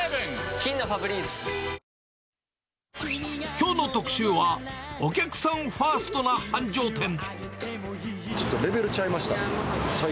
きょうの特集は、お客さんフちょっとレベルちゃいました。